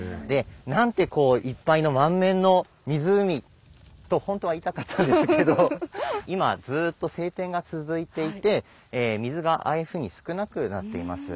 でなんてこういっぱいの満面の湖と本当は言いたかったんですけど今ずっと晴天が続いていて水がああいうふうに少なくなっています。